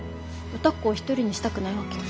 歌子を一人にしたくないわけよ。